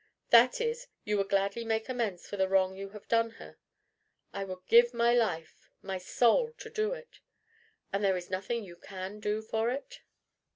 "That is, you would gladly make amends for the wrong you have done her." "I would give my life, my soul, to do it." "And there is nothing you can do for it?"